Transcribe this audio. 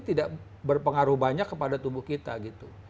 tidak berpengaruh banyak kepada tubuh kita gitu